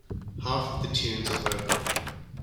Half of the tunes are vocal.